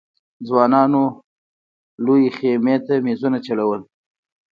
ځوانانو د لويې خېمې مېزونو ته چلول.